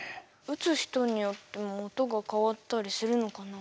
打つ人によっても音が変わったりするのかな？